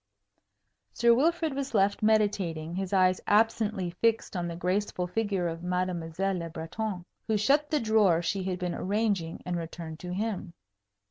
Sir Wilfrid was left meditating, his eyes absently fixed on the graceful figure of Mademoiselle Le Breton, who shut the drawer she had been arranging and returned to him.